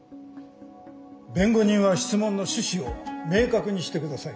弁護人は質問の趣旨を明確にしてください。